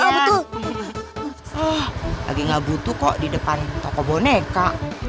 lagi nggak butuh kok di depan toko boneka